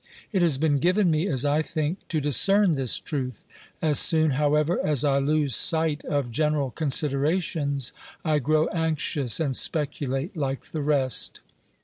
It has been given me, as I think, to discern this truth ; as soon, how ever, as I lose sight of general considerations, I grow anxious and speculate like the rest.